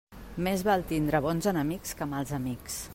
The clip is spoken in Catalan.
Més val tindre bons enemics que mals amics.